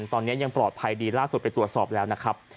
ตอนนี้ยังปลอดภัยดีล่าสุดไปตรวจสอบแล้วนะครับ